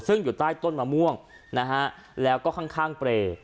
ซึ่งอยู่ใต้ต้นมะม่วงนะฮะแล้วก็ข้างเปรย์